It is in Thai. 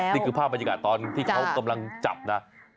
นี่คือภาพบรรยากาศตอนที่เขากำลังจับนะ